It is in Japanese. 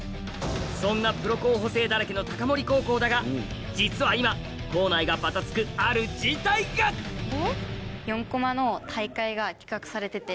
そんなプロ候補生だらけの高森高校だが実は今校内がバタつくある事態がが企画されてて。